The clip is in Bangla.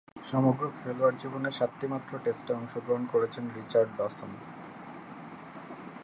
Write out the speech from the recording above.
সমগ্র খেলোয়াড়ী জীবনে সাতটিমাত্র টেস্টে অংশগ্রহণ করেছেন রিচার্ড ডসন।